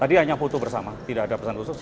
tadi hanya foto bersama tidak ada pesan khusus